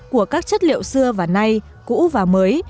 của các chất liệu xưa và nay cũ và mới